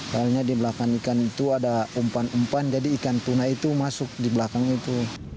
karena di belakang ikan itu ada umpan umpan jadi ikan tuna itu masuk di belakang itu